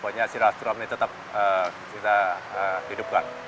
pokoknya si rastram ini tetap kita hidupkan